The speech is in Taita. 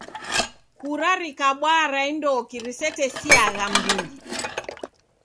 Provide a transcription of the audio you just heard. Kura rikabwaa randoki risetesiaa mndungi?